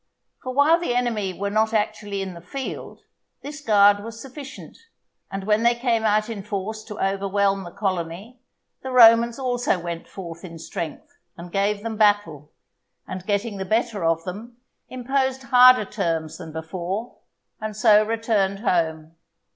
For while the enemy were not actually in the field, this guard was sufficient; and when they came out in force to overwhelm the colony, the Romans also went forth in strength and gave them battle; and getting the better of them, imposed harder terms than before, and so returned home.